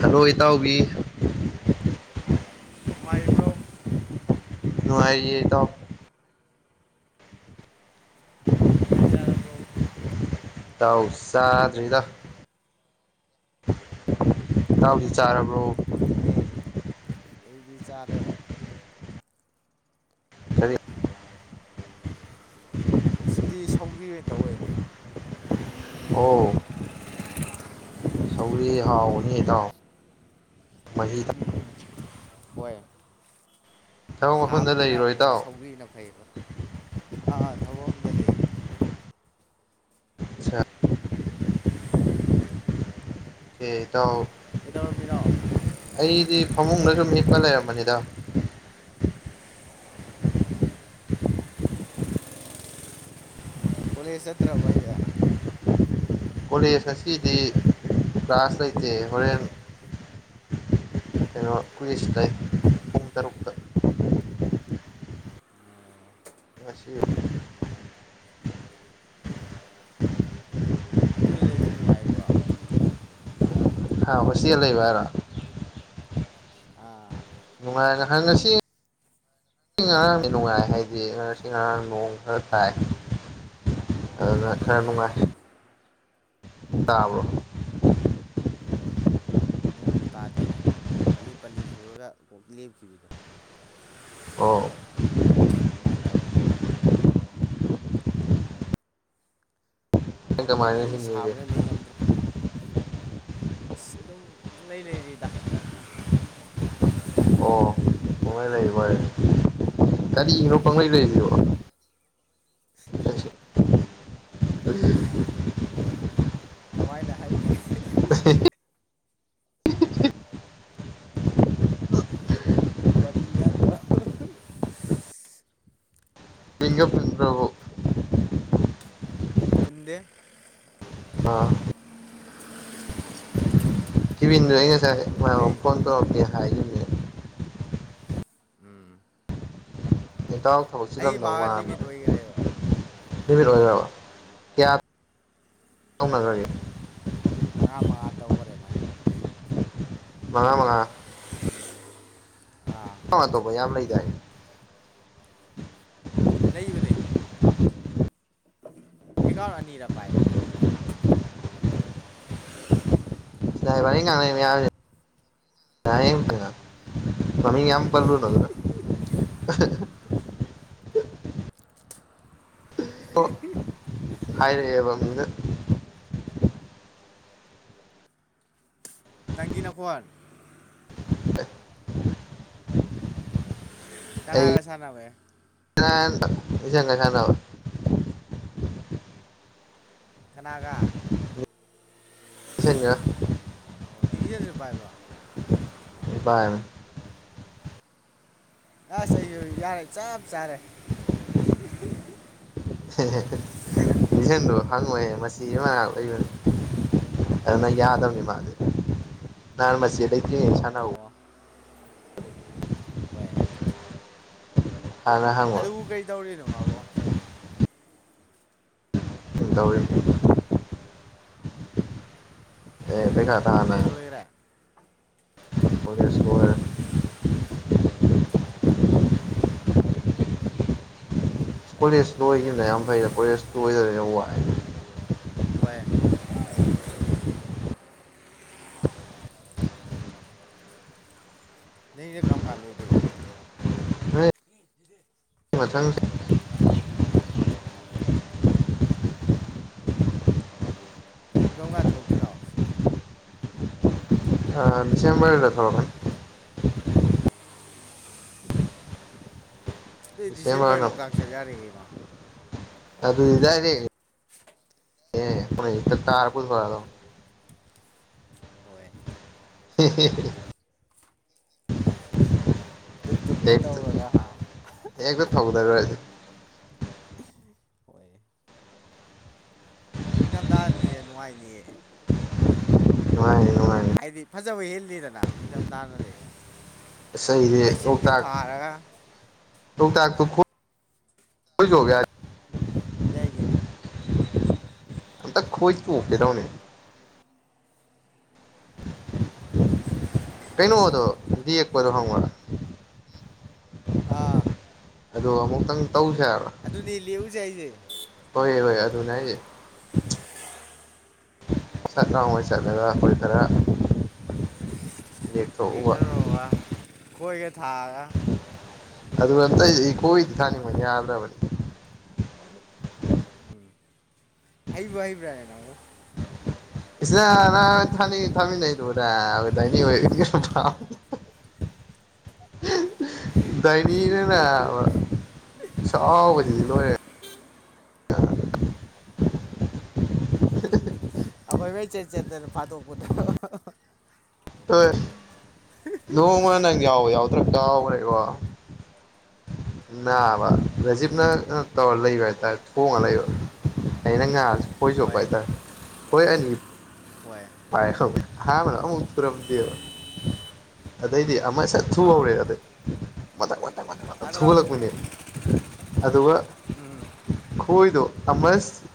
hello ꯏꯇꯥꯎꯕꯤ ꯅꯨꯡꯉꯥꯏꯔꯤꯕ꯭ꯔꯣ ꯅꯨꯡꯉꯥꯏꯔꯤꯌꯦ ꯏꯇꯥꯎ [unintelligible] ꯆꯥꯛꯆꯔꯕ꯭ꯔꯣ ꯇꯥꯎ ꯆꯥꯗ꯭ꯔꯤꯗ ꯏꯇꯥꯎꯗꯤ ꯆꯥꯔꯕ꯭ꯔꯣ ꯊꯦꯡꯉꯦ ꯑꯩꯗꯤ ꯆꯥꯔꯦ ꯀꯔꯤ ꯉꯁꯤꯗꯤ ꯁꯧꯒꯔ꯭ꯤ ꯑꯣꯏꯟ ꯇꯧꯋꯦ ꯑꯣ ꯁꯧꯔꯤ ꯍꯥꯎꯕꯅꯤ ꯏꯇꯥꯎ ꯃꯍꯤꯗ ꯎꯝ ꯍꯣꯏ ꯊꯕꯛ ꯃꯐꯝꯗ ꯂꯩꯔꯤꯔꯣ ꯁꯥꯕꯅꯤꯅꯕꯨꯛꯀꯣ ꯏꯇꯥꯎ ꯁꯧꯕꯤꯅ ꯐꯩꯕ ꯑꯥ ꯊꯕꯛ ꯑꯗ ꯂꯩꯌꯦ ꯆꯠ ꯇꯥꯎ ꯀꯩꯗꯧꯔꯝꯃꯤꯅꯣ ꯑꯩꯗꯤ ꯐꯃꯨꯡꯗꯁꯨ ꯍꯤꯞꯄ ꯂꯩꯔꯝꯕꯅꯤꯗ ꯀꯣꯂꯦꯖ ꯆꯠꯇꯔ꯭ꯕꯣ ꯍꯥꯏꯁꯦ ꯀꯣꯂꯦꯖ ꯑꯁꯤꯗꯤ ꯀ꯭ꯂꯥꯁ ꯂꯩꯇꯦ ꯍꯣꯔꯦꯟ ꯩꯀꯩꯅꯣ ꯀꯨꯏꯖ ꯂꯩ ꯄꯨꯡ ꯇꯔꯨꯛꯇ [unintelligible] ꯑꯁꯤ ꯑꯗꯨ ꯂꯩꯕ ꯅꯨꯡꯉꯥꯏꯕ꯭ꯔꯣ ꯍ ꯍꯣꯁꯇꯦꯜ ꯂꯩꯕ ꯍꯥꯏꯔꯣ ꯑꯥ ꯅꯨꯡꯉꯥꯏꯒꯍꯪ ꯉꯁꯤ ꯏ ꯑꯔꯥꯡꯗꯤ ꯅꯨꯡꯉꯥꯏ ꯍꯥꯏꯗꯤ ꯉꯥꯔꯁꯤ ꯉꯔꯥꯡ ꯅꯣꯡ ꯈꯔ ꯇꯥꯏ ꯑꯗꯨꯅ ꯈꯔ ꯍꯣꯏ ꯅꯨꯡꯉꯥꯏ ꯇꯥꯕ꯭ꯔꯣ ꯅꯣꯡ ꯇꯥꯗꯦꯅꯦ ꯄꯠꯂꯤ ꯄꯠꯂꯤ ꯆꯨꯔꯒ ꯀꯣꯛ ꯂꯦꯞꯈꯤꯕꯗꯣ ꯑꯣ ꯑꯗꯨꯃꯥꯏꯅ ꯇꯧꯋꯦ ꯑꯦ ꯃꯅꯤ ꯁꯣꯝꯗꯗꯤ [unintelligible] ꯁꯥꯕꯅ ꯂꯩ ꯉꯝꯗ꯭ꯔꯦ ꯑꯁ ꯑꯗꯨꯝ ꯄꯨꯡꯂꯩ ꯂꯩꯔꯤꯗ ꯑꯣ ꯄꯡꯂꯩ ꯂꯩꯕꯣꯏꯔꯦ ꯀꯔꯤꯅꯣ ꯄꯡꯂꯩꯗꯣ [unintelligible] ꯀꯃꯥꯏꯅ ꯍꯥꯏꯅꯤ ꯋꯥꯔꯤꯒꯥꯟꯗꯣ ꯄꯤꯟꯒ ꯄꯨꯟꯗꯔ꯭ꯕꯣ ꯄꯨꯨꯟꯗꯦ ꯑꯥ ꯀꯤꯔꯤꯟꯗꯣ ꯑꯩꯟ ꯉꯥꯁꯥꯏ ꯃꯣꯏ ꯃꯉꯣꯟ ꯐꯣꯟ ꯇꯧꯔꯛꯇꯦ ꯍꯥꯏꯒꯤꯝꯅꯤ ꯎꯝ ꯏꯩꯀꯜ ꯊꯕꯛꯁꯤ ꯑꯩ ꯂꯝꯗꯧ ꯃꯥꯒ ꯋꯥꯅ ꯂꯤꯃꯤꯠ ꯑꯣꯏꯈ꯭ꯔꯦꯕ ꯅꯨꯃꯤꯠ ꯑꯣꯏꯖꯔꯕ ꯀꯌꯥꯅ꯭ꯔꯒꯦ ꯃꯉꯥ ꯃꯉꯥ ꯇꯧꯈꯔꯦ ꯃꯥꯏ ꯃꯉꯥ ꯃꯉꯥ ꯑꯥ ꯑꯪ ꯇꯧꯕ ꯌꯥꯝ ꯂꯩꯗꯥ ꯍꯥꯏ ꯂꯩꯕꯅꯦ ꯑꯦꯀꯥꯎꯟ ꯑꯅꯤꯔ ꯄꯥꯏꯕꯅꯦꯦ [unintelligible] ꯗ꯭ꯔꯥꯏꯚꯔ ꯉꯥꯡꯅꯅꯦ ꯌꯥ ꯇ ꯌꯥꯝ ꯄꯜꯂꯣ ꯅ [unintelligible] [unintelligible] ꯏꯣ ꯍꯥꯏꯔꯑꯕꯝꯗ ꯗꯪꯒꯤ ꯅꯀꯔ [unintelligible] ꯀꯅꯥꯕꯦꯁꯥ ꯅꯕꯦ ꯆꯉ ꯆꯗꯕ ꯀꯅꯥꯒꯥ ꯉ ꯑꯣ ꯂꯤꯖꯁ ꯄꯥꯏꯕ꯭ꯔꯣ ꯅꯨꯄꯥ ꯑꯃ ꯑꯁ ꯑꯩꯁꯨ ꯌꯥꯔꯦ ꯆꯞ ꯆꯥꯔꯦ ꯏꯁꯤꯡꯗꯣ ꯍꯪꯉꯣꯏꯍ ꯃꯆꯤ ꯑꯃ ꯃꯅꯥ ꯑꯣꯏꯕꯅꯤ ꯑꯗꯨꯅꯪ ꯌꯥꯗꯕꯅꯤ ꯃꯥꯗꯤ ꯅꯍꯥꯟ ꯃ ꯂꯩꯇ꯭ꯔꯤꯅꯦ ꯁꯥꯟꯅ ꯑꯣ ꯍꯣꯏ ꯍꯥꯟꯅ ꯍꯪꯉꯣ ꯑꯗꯨꯕꯨ ꯀꯔꯤ ꯇꯧꯔꯤꯅꯣ ꯃꯥꯕꯣ ꯇ ꯑꯣꯏ ꯑꯦ ꯑꯗꯨ ꯀꯗꯅ ꯀꯣꯂꯦꯖ ꯂꯣꯏꯈ꯭ꯔꯦ ꯃꯦ ꯁꯣꯔ ꯀꯣꯂꯦꯖꯇꯨ ꯑꯣꯏꯈꯤꯅ ꯌꯥꯝ ꯐꯩꯗ ꯀꯣꯂꯦꯖꯇꯨ ꯑꯣꯏꯗꯔꯅ ꯋꯥꯑꯦ ꯑꯣꯏꯏ [unintelligible] ꯅꯁꯦ ꯀꯔꯝ ꯀꯥꯟ ꯂꯣꯏꯗꯣꯏꯕ ꯊ ꯃꯊꯪ ꯌꯨꯝ ꯀꯧꯝ ꯀꯥ ꯊꯣꯛꯇꯣꯏꯅꯣ ꯁꯦꯝꯦꯝꯕꯔꯗꯦ ꯊꯂꯛꯒꯅꯤ ꯑꯦ ꯗꯤꯁꯦꯝꯕꯔ ꯂ ꯀꯥꯥꯛꯆ ꯌꯥꯔꯦꯒꯩꯅ ꯑꯗꯨ ꯏꯗꯔꯦ ꯑꯦ ꯍ ꯇꯥꯔ ꯄꯨꯊ ꯐꯗ ꯍꯣꯏ ꯍ ꯗꯨꯞ ꯗꯨꯞꯀ ꯍ ꯇꯧꯔꯒ ꯍꯥ ꯍꯛꯇꯣ ꯊꯒꯗꯔꯁ ꯅꯤꯡꯊꯝꯊꯥꯍꯅꯤꯌꯦ ꯅꯨꯡꯉꯥꯏꯅꯤꯌꯦ ꯍ ꯍꯥꯏꯗꯤ ꯐꯖꯕ ꯍꯦꯜꯂꯤꯗꯅ ꯅꯤꯡꯊꯝꯊꯥꯅꯅꯦ ꯏꯁꯩꯁ ꯂꯩꯆꯤꯟꯒ ꯂꯣꯛꯇꯥꯛ ꯊꯥꯔꯒ ꯇꯒ ꯌꯥꯏ ꯀꯩꯅꯣ ꯑꯛꯇ ꯈꯣꯍꯤ ꯇꯣꯞꯀꯗ ꯍꯧꯅꯦ ꯀꯩꯅꯣꯗꯣ ꯄꯗꯣ ꯍꯪ ꯑꯥ ꯑꯗꯨ ꯑꯃꯨꯛꯇꯪ ꯇꯧꯁꯦ ꯑꯗꯨꯅꯤ ꯂꯦꯛꯎꯁꯦ ꯑꯩꯁꯦ ꯍꯥꯏꯕꯔꯥ ꯗꯨꯅꯦ ꯍꯥꯏꯁꯦ ꯁꯠ ꯌꯥꯉꯣꯏ ꯆꯠꯂꯗ ꯈꯣꯏ ꯈꯔꯥ ꯂꯦꯛꯊꯔꯨꯔꯕ ꯈꯣꯏꯒꯥ ꯊꯗꯅ ꯑꯗꯨ ꯑꯇꯩꯗꯤ ꯈꯣꯏ ꯊꯥꯅꯤꯡꯃꯟ ꯌꯥꯗꯕꯅꯤ ꯍꯩꯕꯨ ꯍꯩꯕ꯭ꯔꯥꯅꯦ ꯅꯡꯕꯨ ꯏꯁ [unintelligible] [inaudible] ꯗꯏꯅꯤꯅꯥ ꯅꯥꯕ ꯁꯥꯎꯕꯁꯤꯗꯤ ꯂꯣꯏꯔꯦ [unintelligible] ꯑꯈꯣꯏꯃꯩ ꯆꯦꯟ ꯆꯦꯟꯇꯅ ꯐꯥꯠꯇꯣꯛꯄꯗꯕ ꯍꯣꯏ ꯅꯣꯡꯃ ꯅꯪ ꯌꯥꯎꯕ ꯌꯥꯎꯗ꯭ꯔ ꯀꯥꯎꯈ꯭ꯔꯦꯀꯣ ꯅꯥꯕ ꯔꯖꯤꯞꯅ ꯎꯝ ꯇꯧꯔ ꯂꯩꯕ ꯍꯥꯏꯇꯥꯔꯦ ꯊꯣꯡꯉ ꯂꯩꯕ ꯑꯩꯅ ꯉꯥꯁꯨ ꯈꯣꯏ ꯆꯣꯞꯄ ꯍꯣꯏ ꯍꯥꯏꯇꯥꯔꯦ ꯍꯣꯏ ꯑꯅꯤ ꯍꯣꯏ ꯑꯍꯥꯟꯕꯗꯥ ꯑꯝꯇ ꯊꯨꯔꯝꯗꯦꯕꯥ ꯑꯗꯩꯗꯤ ꯑꯃ ꯁꯠ ꯑꯥ ꯊꯨꯍꯧꯔꯦ ꯑꯗꯩ ꯃꯊꯪ ꯃꯊꯪ ꯑꯗꯨꯔꯣ ꯊꯨꯒꯠꯂꯛꯄꯅꯦ ꯑꯗꯨꯒ ꯎꯝ ꯑꯃꯁ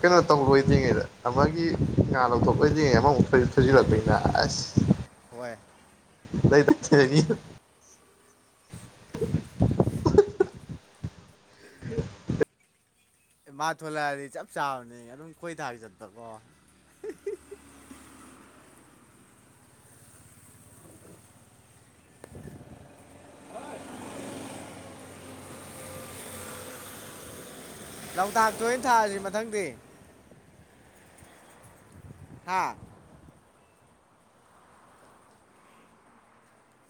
ꯀꯩꯅꯣ ꯇꯧꯔꯣꯏꯗ꯭ꯔꯤꯉꯩꯗ ꯑꯃꯒꯤ ꯉꯥ ꯂꯧꯊꯣꯛꯄ [unintelligible] ꯑꯃꯃꯨꯛ ꯊꯣꯏꯖꯤꯜꯂꯛ ꯊꯨꯖꯤꯜꯂꯛꯄꯅꯤꯅ ꯑꯁ ꯍꯣꯏ [unintelligible] [inaudible] [inaudible] ꯃꯥ ꯊꯣꯂꯛꯑꯗꯤ ꯆꯞ ꯆꯥꯕꯅꯦ ꯑꯗꯨꯝ ꯈꯣꯏ ꯗꯥꯒꯤ ꯃꯇꯝꯗꯀꯣ ꯂꯣꯛꯇꯥꯛꯇ ꯑꯣꯏꯅ ꯊꯥꯔꯥꯁꯤ ꯃꯊꯪꯗꯤ ꯍꯥꯥ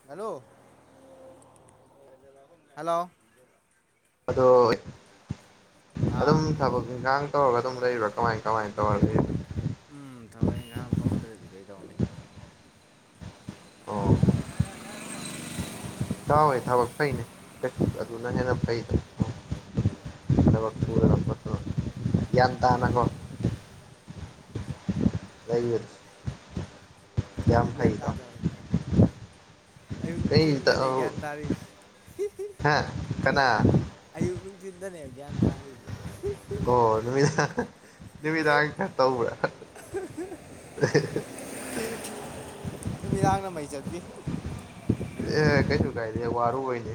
ꯍꯜꯂꯣ ꯍꯜꯂꯣ ꯑꯗꯣ ꯑꯥ ꯑꯗꯨꯝ ꯊꯕꯛ ꯏꯟꯒꯥꯡ ꯇꯧꯔꯒ ꯑꯗꯨꯝ ꯂꯩꯕ꯭ꯔꯥ ꯀꯃꯥꯏ ꯀꯃꯥꯏ ꯇꯧꯔꯒ ꯅꯣꯝꯗ꯭ꯔꯗꯤ ꯀꯩꯗꯧꯅꯤ ꯑꯣ ꯇꯥꯎꯋꯦ ꯊꯕꯛ ꯐꯩꯅꯦ ꯑꯗꯨꯅ ꯍꯦꯟꯅ ꯐꯩꯗ [inaudible] ꯒ꯭ꯌꯥꯟ ꯇꯥꯅ ꯀꯣ ꯂꯩꯕꯗ ꯀꯥꯏ ꯒꯌ꯭ꯥꯟ ꯇꯥꯗꯝꯅꯣꯗ ꯑꯌꯨꯛ ꯀꯩ ꯅꯨꯡꯊꯟꯗꯗꯤ ꯏꯇꯥꯎ ꯒ꯭ꯌꯥꯟ ꯇꯥꯔꯤ ꯍꯥ ꯀꯅꯥ ꯗꯤꯟꯗꯅꯦ ꯒꯌꯥꯟ ꯇꯥꯗꯔ꯭ꯤꯁꯦ ꯑꯣ ꯅꯨꯃꯤꯗꯥ ꯅꯨꯃꯤꯗꯥꯡ ꯈꯔ ꯇꯧꯕ꯭ꯔꯥ [unintelligible] ꯅꯨꯃꯤꯗꯥꯡꯅ ꯃꯩ ꯆꯠꯄꯤ ꯑꯦ ꯀꯩꯁꯨ ꯀꯥꯏꯗꯦ ꯋꯥꯔꯨꯕꯩꯅꯤ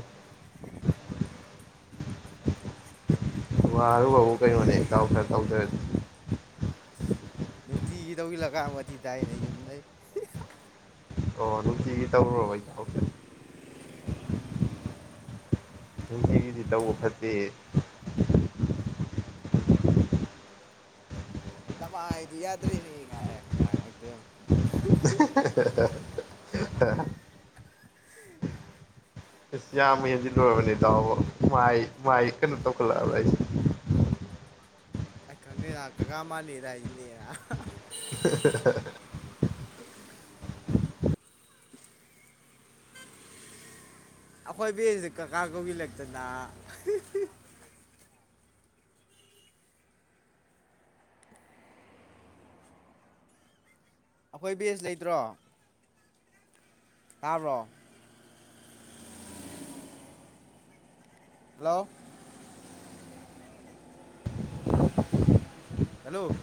ꯋꯔꯨꯕꯕꯨ ꯀꯩꯅꯣꯅꯦ ꯇꯧ ꯈꯔ ꯇꯧꯗꯔ꯭ꯗꯤ ꯅꯨꯡꯇꯤꯒꯤ ꯇꯧꯁꯤꯜꯂꯀꯥꯟ ꯋꯥꯊꯤ ꯇꯥꯏꯅꯦ ꯌꯨꯝ ꯂꯩꯩ ꯑꯣ ꯅꯨꯡꯇꯤꯒꯤ ꯇꯧꯔꯨꯔꯕꯣ ꯏꯇꯥꯎꯁꯦ ꯅꯨꯡꯇꯤꯒꯤꯗꯤ ꯇꯧꯕ ꯐꯠꯇꯦ [inaudible] ꯅꯃꯥꯏꯗꯨ ꯌꯥꯗ꯭ꯔꯦꯅꯦ ꯀꯥꯏꯔꯥ ꯉꯥꯡꯉꯛꯇꯣ ꯑ ꯑꯩꯁ ꯌꯥꯝꯃ ꯍꯦꯟꯖꯤꯟ ꯂꯨꯔꯕꯅꯤ ꯇꯥꯎꯕ ꯃꯥꯏ ꯃꯥꯏ ꯀꯩꯅꯣ ꯇꯧꯈꯠꯂꯛꯑꯕ ꯑꯩꯁꯦ [unintelligible] ꯑꯩ ꯈꯪꯗꯦꯔꯥ ꯀꯀꯥ ꯃꯥꯂꯦꯗ ꯍꯥꯏꯁꯤꯂꯦꯔꯥ [unintelligible] ꯑꯩꯈꯣꯏ ꯕꯦꯟꯁꯦ ꯀꯀꯥ ꯀꯧꯕꯤ ꯂꯩꯛꯇꯅ ꯑꯩꯈꯣꯏ ꯕꯦꯖ ꯂꯩꯇ꯭ꯔꯣ ꯇꯥꯕ꯭ꯔꯣ ꯍꯜꯂꯣ ꯍꯜꯂꯣ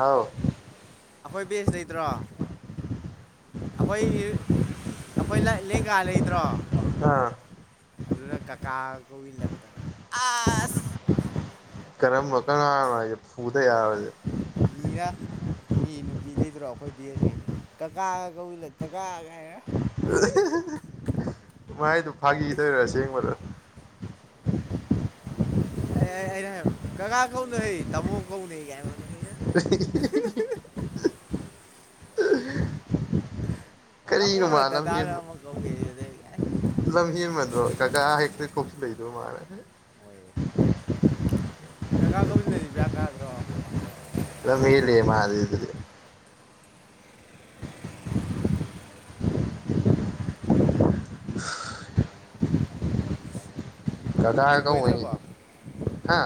ꯑꯥꯎ ꯑꯩꯈꯣꯏ ꯕꯦꯖ ꯂꯩꯇ꯭ꯔꯣ ꯑꯩꯈꯣꯏ ꯑꯩꯈꯣꯏ ꯂꯦꯡꯒꯥ ꯂꯩꯗ꯭ꯔꯣ ꯑꯥ ꯑꯗꯨꯅ ꯀꯀꯥ ꯀꯧꯏꯜꯂꯛꯇꯅ ꯑꯁ ꯀꯔꯝꯕ ꯀꯔ ꯍꯅꯣꯁꯦ ꯐꯨꯗ ꯌꯥꯔꯣꯏꯁꯦ ꯃꯤꯔ ꯃꯤ ꯅꯨꯄꯤ ꯂꯩꯇ꯭ꯔꯣ ꯑꯩꯈꯣꯏ ꯕꯦꯁꯁꯤ ꯀꯀꯥꯒ ꯀꯧꯏ ꯂꯩ ꯀꯀꯥꯒꯥꯏꯔ ꯎ [unintelligible] ꯃꯥꯏꯗꯨ ꯐꯥꯒꯤꯗꯣꯏꯔ ꯁꯦꯡꯕꯗ ꯩꯅ ꯀꯒꯥꯥ ꯀꯧ ꯅ ꯍ ꯇꯃꯣ ꯀꯧ ꯅ ꯍ ꯀ [unintelligible] ꯀꯔꯤꯅꯣ ꯃꯥ ꯇꯕꯣꯜꯠꯇ ꯇꯥꯔ ꯑꯃ ꯀꯧ ꯌꯦꯔꯤꯦ ꯏꯂꯝ ꯍ ꯃꯅꯣ ꯀꯥꯀ ꯍꯦꯛꯇ ꯈꯨꯁꯨ ꯂꯗ ꯃꯥꯔ ꯑꯣꯏꯣꯏ [unintelligible] ꯀꯀꯥ ꯀꯣꯕꯤꯟꯗꯤ ꯕꯔ ꯀꯥꯗ꯭ꯔꯣ ꯂꯝꯍꯦꯜꯂꯦ ꯃꯥꯗꯤ ꯑꯗꯨꯗꯤ ꯅꯪ ꯀꯀꯥ ꯅꯨꯄꯤꯡ ꯀꯧꯕꯩꯅꯤ ꯒꯣꯏꯗ꯭ꯔꯕ ꯍꯥ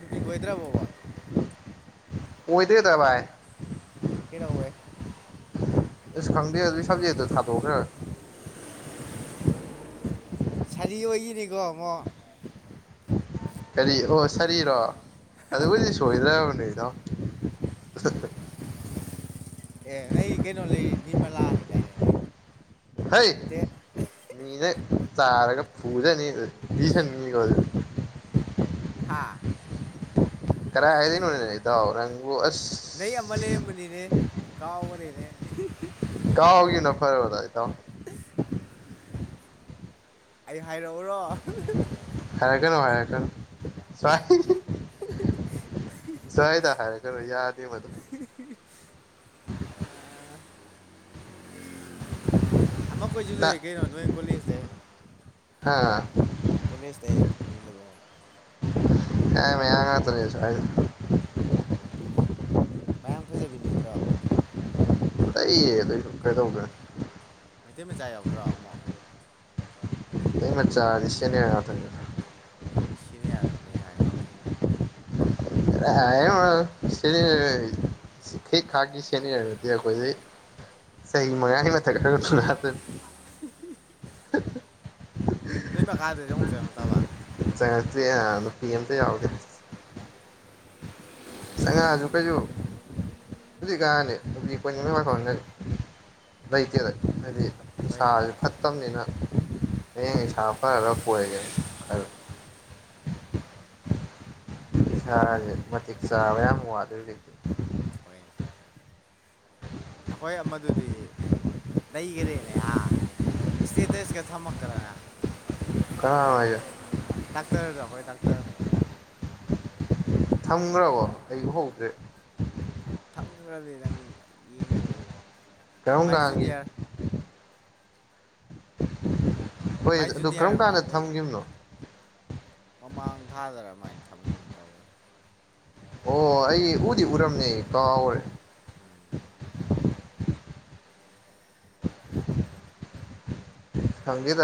ꯅꯨꯄꯤ ꯒꯣꯏꯗ꯭ꯔꯥꯕꯣꯕ ꯑꯣꯏꯣꯏꯗꯦꯗ ꯚꯥꯏ ꯀꯩꯗꯧꯕꯩ ꯑꯁ ꯈꯪꯗꯦ ꯑꯗꯨꯒꯤ ꯁꯕꯖꯦ ꯑꯗꯨ ꯊꯥꯗꯣꯛꯎꯈ꯭ꯔꯦ ꯁꯥꯗꯤ ꯑꯣꯏꯈꯤꯅꯤꯀꯣ ꯑꯃꯨꯛ ꯀꯔꯤ ꯑꯣ ꯁꯥꯔꯤꯔꯣ ꯑꯗꯨꯕꯨꯗꯤ ꯁꯣꯏꯗ꯭ꯔꯕꯅꯦꯗꯣ [unintelligible] ꯑꯦ ꯅꯣꯏ ꯀꯩꯅꯣ ꯂꯩ ꯅꯤꯃꯂꯥ ꯍꯥꯏꯗꯥꯏꯅꯦ ꯅꯗꯣ ꯍꯩ ꯃꯤꯅꯦ ꯆꯔ ꯄ ꯄꯨꯖꯅꯤ ꯄꯤꯖꯅꯤ ꯀꯗ ꯍꯥꯥ ꯀꯔ ꯍꯥꯏꯗꯤꯅꯤꯗ ꯔꯪꯣꯁ [unintelligible] ꯀ ꯍꯒꯅ ꯐꯔꯦ ꯑꯣꯏꯗꯥꯏ ꯇꯣ ꯑꯩ ꯍꯥꯏꯔꯛꯎꯔꯣ ꯁ [unintelligible] ꯆꯥꯏꯗ ꯍꯥꯏꯔꯦ ꯈꯔꯣ ꯌꯥꯗ ꯃꯗꯨ ꯑ ꯑꯃ ꯑꯃꯛ ꯀꯣꯏꯁꯤꯨ ꯇ ꯍ ꯀꯦꯅ ꯅꯣꯏ ꯀꯜꯂꯤꯁꯦ ꯍꯥ ꯀꯂꯦꯖꯇ ꯀꯖꯤ ꯂ ꯌꯥ ꯃ ꯉ ꯇꯁ ꯍꯥꯏ ꯃꯌꯥꯝ ꯐꯖꯕꯤ ꯂꯩꯗ꯭ꯔꯣ ꯑ ꯑꯩꯌꯦ ꯑꯗꯨꯁꯨ ꯀꯩꯗꯧꯒ꯭ꯔꯦ ꯃꯩꯇꯩ ꯃꯆꯥ ꯌꯥꯎꯗ꯭ꯔꯣ ꯑꯃꯨ ꯃꯩꯇꯩ ꯃꯆꯥꯗꯤ ꯁꯦꯅꯤꯌꯔ ꯉꯥꯛꯇꯅꯤꯗ ꯁꯦꯅꯤꯌꯥꯔꯗꯨꯅꯤ ꯑꯩꯅ ꯍꯥꯏꯗꯨꯗꯤ ꯀꯗꯥꯏꯗꯒꯤꯅꯣꯗ ꯁꯦꯅꯤꯌꯥꯔ ꯁꯤ ꯈꯦꯛ ꯈꯥꯛꯒꯤ ꯁꯦꯅꯤꯌꯔ ꯗꯤ ꯑꯩꯈꯣꯏꯗꯤ ꯆꯍꯤ ꯃꯉꯥꯒꯤ ꯃꯊꯛ ꯅꯠꯇꯦ [unintelligible] ꯇꯥꯕꯔ ꯆꯥꯡꯉꯛꯇꯔꯤ ꯍꯥ ꯅꯨꯄꯤ ꯑꯃꯠꯇ ꯌꯥꯎꯗꯦ ꯆꯪꯉꯛ ꯑꯁꯨ ꯀꯩꯁꯨ ꯍꯧꯖꯤꯛꯀꯟ ꯅꯨꯄꯤ ꯀꯣꯏꯅꯤꯡꯗꯦ ꯂꯩꯇꯦꯗ ꯍꯥꯏꯗꯤ ꯍꯣꯏꯗ ꯅꯤꯁꯥꯁꯦ ꯐꯠꯇꯕꯅꯤꯅ ꯍꯌꯦꯡ ꯏꯁꯥ ꯐꯔꯒ ꯀꯣꯏꯔꯒꯦ ꯏꯁꯥꯁꯦ ꯃꯇꯤꯛ ꯆꯥꯕ ꯌꯥꯝ ꯋꯥꯠꯂꯤ ꯍꯧꯖꯤꯛ ꯍꯣꯏ ꯂꯩꯈꯔꯦꯅꯦ ꯏꯁꯇꯦꯇꯁꯀ ꯊꯝꯃꯛꯇꯅ ꯀꯅꯥꯅꯣ ꯍꯥꯏꯁꯦ ꯥꯗꯥꯛꯇꯔ ꯑꯩꯈꯣꯏ ꯗꯥꯛꯇꯔ ꯊꯝꯈ꯭ꯔꯕꯣ ꯑꯩ ꯎꯍꯧꯗ꯭ꯔꯦ ꯊꯝꯈ꯭ꯔꯃꯦ ꯅꯪ ꯌꯦꯡꯅꯕꯒꯤ ꯀꯔꯝ ꯃꯥꯏ ꯀꯥꯟꯒꯤ ꯖꯨꯅꯤꯌꯔ ꯍꯣꯏ ꯃꯥꯏ ꯑꯗꯨ ꯀꯔꯝ ꯖꯨꯅꯤꯌꯔ ꯑꯃ ꯀꯥꯟꯗ ꯅ ꯊꯝꯈꯤꯕꯅꯣ ꯃꯃꯥꯡ ꯊꯥꯗꯔ ꯑꯗꯨꯃꯥꯏꯅ ꯊꯝꯈꯤꯕ ꯇꯧꯕꯅꯤ ꯑꯣ ꯑꯩ ꯎꯗꯤ ꯎꯔꯝꯅꯦ ꯀꯥꯎꯒꯔꯦ ꯈꯪꯗꯦꯗ